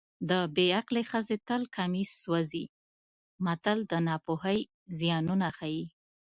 د بې عقلې ښځې تل کمیس سوځي متل د ناپوهۍ زیانونه ښيي